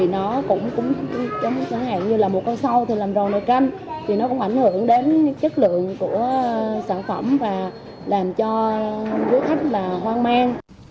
nó cũng giống như một con sâu làm ròn đầy canh nó cũng ảnh hưởng đến chất lượng của sản phẩm và làm cho du khách hoang mang